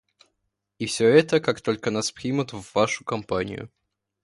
И все это − как только нас примут в вашу компанию.